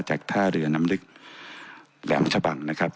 ท่าเรือน้ำลึกแหลมชะบังนะครับ